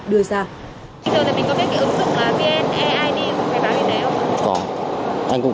bây giờ thì mình có biết cái ứng dụng